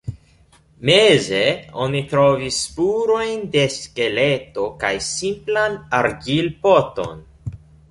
Meze oni trovis spurojn de skeleto kaj simplan argilpoton.